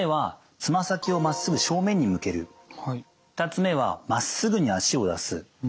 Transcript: ２つ目はまっすぐに足を出す。